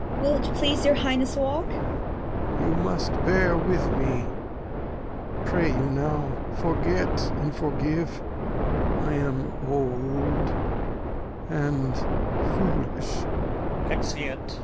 Cor. Will't please your Highness walk? Lear. You must bear with me. Pray you now, forget and forgive. I am old and foolish. Exeunt.